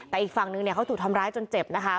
แต่อีกฝั่งนึงเนี่ยเขาถูกทำร้ายจนเจ็บนะคะ